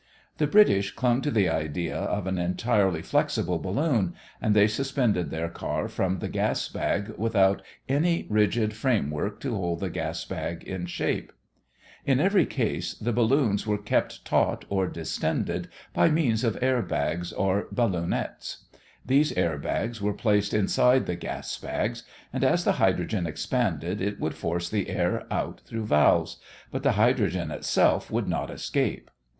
The British clung to the idea of an entirely flexible balloon and they suspended their car from the gas bag without any rigid framework to hold the gas bag in shape. In every case, the balloons were kept taut or distended by means of air bags or ballonets. These air bags were placed inside the gas bags and as the hydrogen expanded it would force the air out through valves, but the hydrogen itself would not escape.